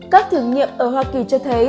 các thử nghiệm ở hoa kỳ cho thấy